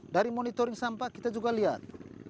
dari monitoring sampah kita juga lihat